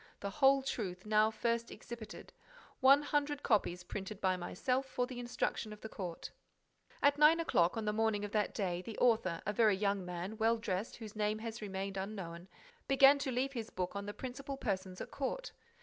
The Whole Truth now first exhibited. One hundred copies printed by myself for the instruction of the Court._ At nine o'clock on the morning of that day, the author, a very young man, well dressed, whose name has remained unknown, began to leave his book on the principal persons at court.